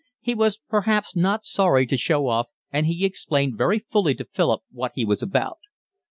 He was perhaps not sorry to show off, and he explained very fully to Philip what he was about.